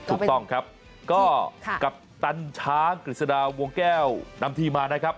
ถูกต้องครับก็กัปตันช้างกฤษฎาวงแก้วนำทีมมานะครับ